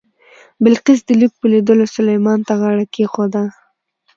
بلقیس د لیک په لیدلو سلیمان ته غاړه کېښوده.